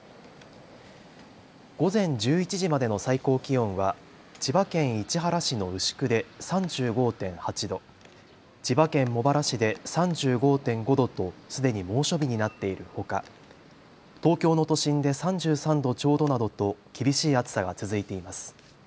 午前１１時までの最高気温は千葉県市原市の牛久で３５．８度、千葉県茂原市で３５．５度とすでに猛暑日になっているほか東京の都心で３３度ちょうどなどと厳しい暑さが続いています。